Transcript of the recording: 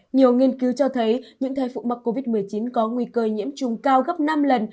nhiều nghiên cứu cho thấy những thai phụ mắc covid một mươi chín có nguy cơ nhiễm trùng cao gấp năm lần